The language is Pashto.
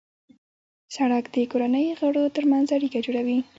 سړک د کورنۍ غړو ترمنځ اړیکه جوړوي.